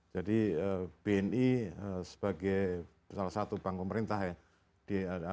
jadi bni sebagai salah satu bank pemerintah ya